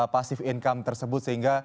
passive income tersebut sehingga